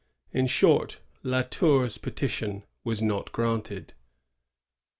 In short, La Tour's petition was not granted.